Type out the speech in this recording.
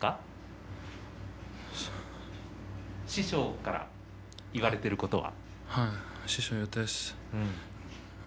師匠から言われていることは？